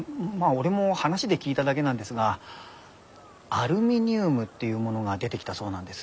俺も話で聞いただけなんですがアルミニウムっていうものが出てきたそうなんです。